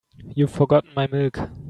You've forgotten my milk.